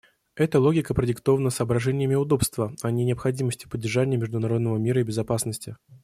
Эта логика продиктована соображениями удобства, а не необходимостью поддержания международного мира и безопасности.